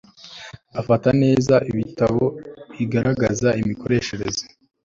Afata neza ibitabo bigaragaza imikoreshereze